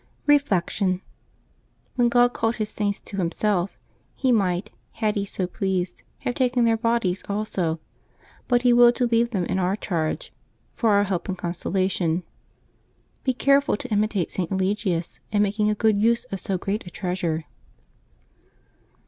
Reflection. — ^When God called His Saints to Himself, He might, had He so pleased, have taken their bodies also ; but He willed to leave them in our charge, for our help and consolation. Be careful to imitate St. Eligius in making a good use of so great a treasure.